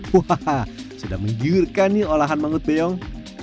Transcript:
wahaha sudah menggiurkan nih olahan mangut beong